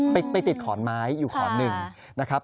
ไปติดขอนไม้อยู่ขอนหนึ่งนะครับ